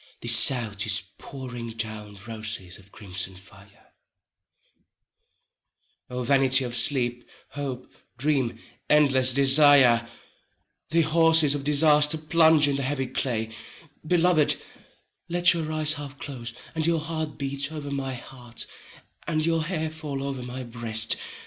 The South is pouring down roses of crimson fire: 24 O vanity of Sleep, Hope, Dream, endless Desire, The Horses of Disaster plunge in the heavy clay: Beloved, let your eyes half close, and your heart beat Over my heart, and your hair fall over my breast.